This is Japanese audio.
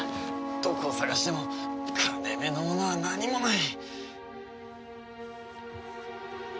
どこを探しても金目のものは何もない！